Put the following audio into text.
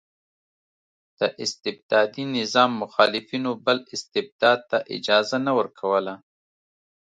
د استبدادي نظام مخالفینو بل استبداد ته اجازه نه ورکوله.